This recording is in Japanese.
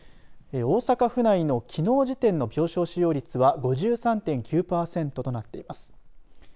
大阪府内のきのう時点の病床使用率は５３．９パーセントとなっています。